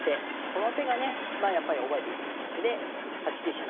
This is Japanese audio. この手がねやっぱり覚えていただきたい手で８九飛車